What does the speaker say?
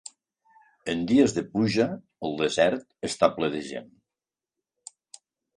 En dies de pluja, el desert està ple de gent.